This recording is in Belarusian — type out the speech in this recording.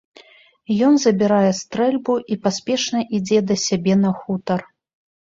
Ён забірае стрэльбу і паспешна ідзе да сябе, на хутар.